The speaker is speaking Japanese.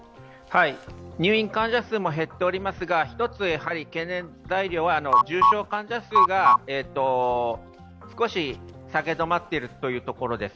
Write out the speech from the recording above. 入院患者数も減っておりますが、１つ懸念材料は重症患者数が少し下げ止まっているというところです。